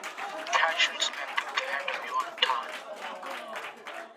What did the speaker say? Cao Chun's men took the head of Yuan Tan.